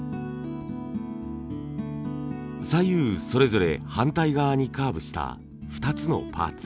左右それぞれ反対側にカーブした２つのパーツ。